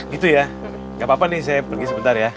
gitu ya nggak apa apa nih saya pergi sebentar ya